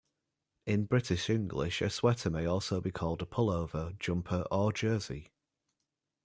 In British English, a sweater may also be called a pullover, jumper or jersey.